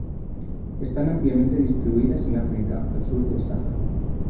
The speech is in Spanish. Están ampliamente distribuidas en África al sur del Sahara.